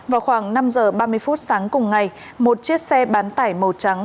vào khoảng năm giờ ba mươi phút sáng cùng ngày một chiếc xe bán tải màu trắng